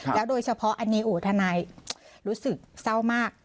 แล้วโดยเฉพาะอันนี้ทนายรู้สึกเศร้ามาก